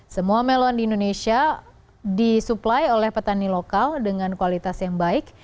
semua melon di indonesia disuplai oleh petani lokal dengan kualitas yang baik